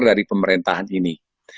dari pemerintahan ini